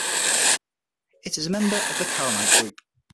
It is a member of the carnotite group.